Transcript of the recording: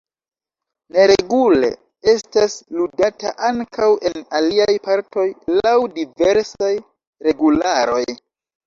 Neregule estas ludata ankaŭ en aliaj partoj laŭ diversaj regularoj.